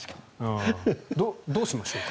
どうしましょうか？